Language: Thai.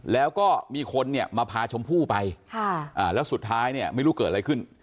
แล้วก็มีคนเนี่ยมาพาชมพู่ไปแล้วสุดท้ายเนี่ยไม่รู้เกิดอะไรขึ้น